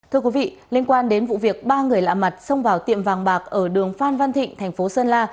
thưa quý vị liên quan đến vụ việc ba người lạ mặt xông vào tiệm vàng bạc ở đường phan văn thịnh thành phố sơn la